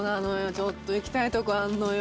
ちょっと行きたいとこあるのよ。